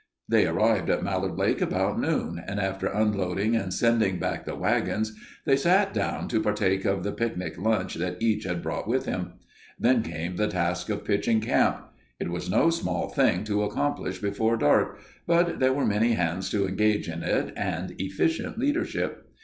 They arrived at Mallard Lake about noon, and after unloading and sending back the wagons, they sat down to partake of the picnic lunch that each had brought with him. Then came the task of pitching camp. It was no small thing to accomplish before dark, but there were many hands to engage in it and efficient leadership.